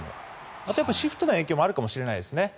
あとはシフトの影響もあるかもしれないですね。